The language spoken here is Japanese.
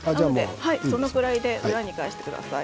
その状態で裏に返してください。